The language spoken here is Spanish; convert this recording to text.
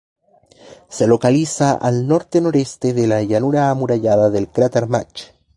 Se localiza al norte-noreste de la llanura amurallada del cráter Mach.